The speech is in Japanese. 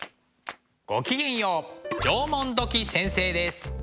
ごきげんよう縄文土器先生です。